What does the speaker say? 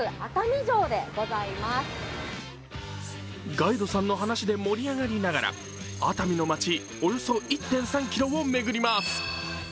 ガイドさんの話で盛り上がりながら熱海の街、およそ１．３ｋｍを巡ります。